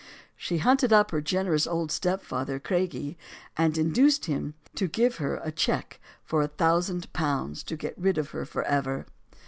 She hunted up her generous old step father, Craigie, and induced him to give her a check for a thousand pounds, to get rid of her forever.